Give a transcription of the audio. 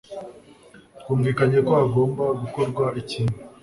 Twumvikanye ko hagomba gukorwa ikintu.